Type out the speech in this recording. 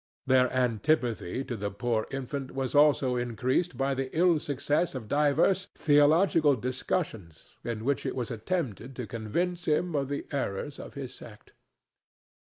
Their antipathy to the poor infant was also increased by the ill success of divers theological discussions in which it was attempted to convince him of the errors of his sect.